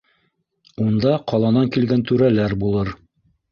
Унда ҡаланан килгән түрәләр булыр.